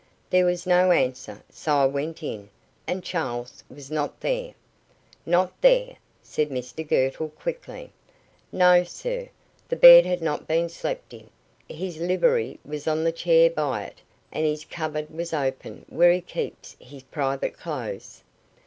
"There was no answer, so I went in, and Charles was not there." "Not there?" said Mr Girtle, quickly. "No, sir. The bed had not been slept in. His livery was on the chair by it, and his cupboard was open where he keeps his private clothes."